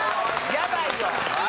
やばいよ！